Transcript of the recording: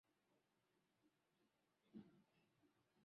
Aliona wazi kuwa hakukuwa na haja ya kutuma wapelelezi wa awali